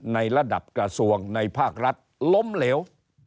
ในระดับกระทรวงในภาครัฐล้มเหลว